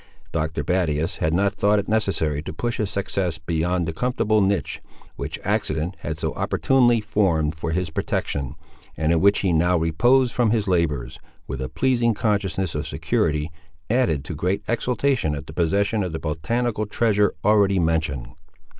Dr. Battius had not thought it necessary to push his success beyond the comfortable niche, which accident had so opportunely formed for his protection, and in which he now reposed from his labours, with a pleasing consciousness of security, added to great exultation at the possession of the botanical treasure already mentioned.